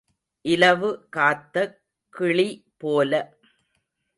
இலவு காத்த கிளி போல.